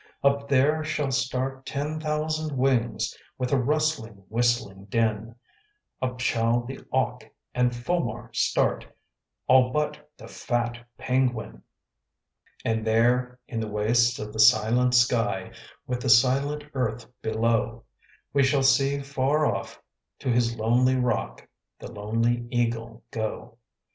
Up there shall start ten thousand wings With a rustling, whistling din; Up shall the auk and fulmar start, All but the fat penguin. And there in the wastes of the silent sky, With the silent earth below, We shall see far off to his lonely rock The lonely eagle go.